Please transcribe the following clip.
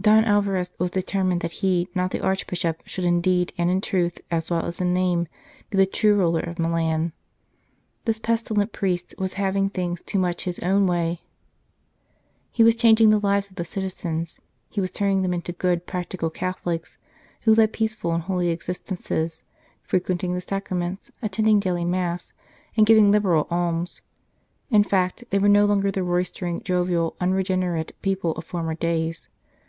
Don Alvarez was determined that he, not the Archbishop, should indeed and in truth, as well as in name, be the true ruler of Milan. This pestilent priest was having things too much his own way; he was changing the lives of the citizens, he was turning them into good practical Catholics, who led peaceful and holy existences, frequenting the Sacraments, attending daily Mass, and giving liberal alms ; in fact, they were no longer the roistering, jovial, unregenerate people of former days.